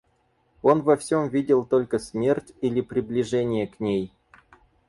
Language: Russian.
Он во всем видел только смерть или приближение к ней.